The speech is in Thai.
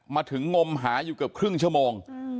งมหาอยู่เกือบครึ่งชั่วโมง